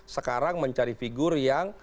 sekarang mencari figur yang